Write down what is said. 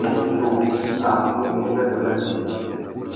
Mutu a mú ungüêndô nà tsi.